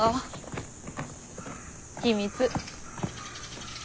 秘密。